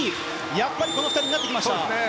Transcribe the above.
やっぱりこの２人になってきたか。